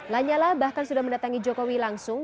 lanyala bahkan sudah mendatangi jokowi langsung